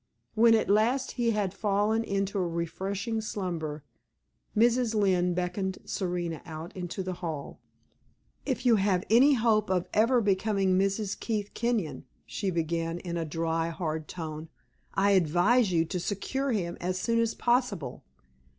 When at last he had fallen into a refreshing slumber, Mrs. Lynne beckoned Serena out into the hall. "If you have any hope of ever becoming Mrs. Keith Kenyon," she began in a dry, hard tone, "I advise you to secure him as soon as possible.